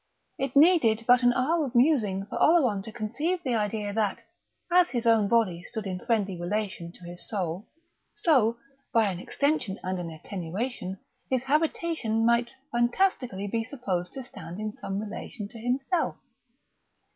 It needed but an hour of musing for Oleron to conceive the idea that, as his own body stood in friendly relation to his soul, so, by an extension and an attenuation, his habitation might fantastically be supposed to stand in some relation to himself.